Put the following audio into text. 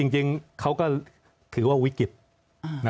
จริงเขาก็ถือว่าวิกฤต